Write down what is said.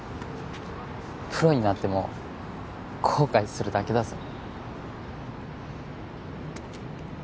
プロになっても後悔するだけだぞ